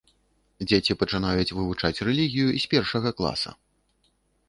Дзеці пачынаюць вывучаць рэлігію з першага класа.